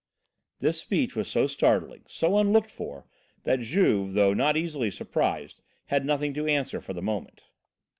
This speech was so startling, so unlooked for, that Juve, though not easily surprised, had nothing to answer for the moment.